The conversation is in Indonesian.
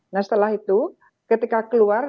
nah setelah itu ketika keluar